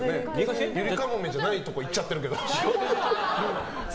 ゆりかもめじゃないところ行っちゃってるけど。